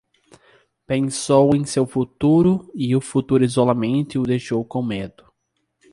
Pensou em seu futuro e o futuro isolamento o deixou com medo.